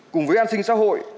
cùng với an sinh xã hội